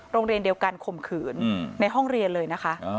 โรงเรียนเดียวกันข่มขืนในห้องเรียนเลยนะคะ